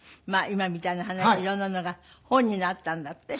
今みたいな話色んなのが本になったんだって？